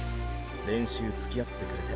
練習つきあってくれて。